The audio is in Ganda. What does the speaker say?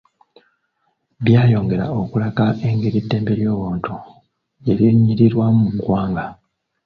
Byayongera okulaga engeri eddembe ly’obuntu gye lirinnyirirwa mu ggwanga.